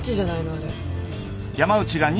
あれ。